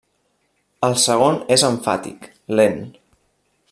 El segon és emfàtic, lent.